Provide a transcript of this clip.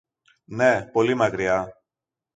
Ναι, πολύ μακριά!